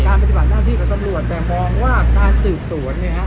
ปฏิบัติหน้าที่ของตำรวจแต่มองว่าการสืบสวนเนี่ยฮะ